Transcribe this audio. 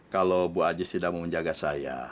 kalau bu aziz tidak mau menjaga saya